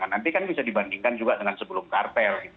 nanti kan bisa dibandingkan juga dengan sebelum kartel gitu